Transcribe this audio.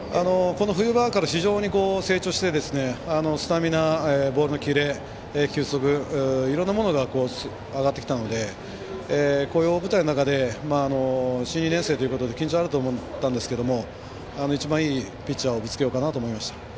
冬場から非常に成長してスタミナ、ボールのキレ、球速といろんなものが上がってきたのでこういう大舞台で新２年生ということで緊張はあるかと思ったんですが一番いいピッチャーをぶつけようかなと思いました。